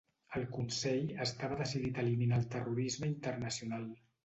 El Consell estava decidit a eliminar el terrorisme internacional.